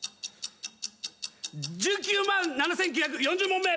１９万７，９４０問目。